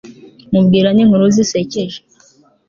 mubwirane inkuru zisekej